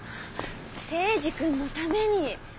征二君のために。